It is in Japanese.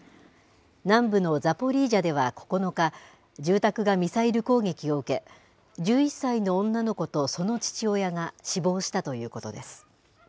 南部のザポリージャでは９日、住宅がミサイル攻撃を受け、１１歳の女の子とその父親が死亡したということです。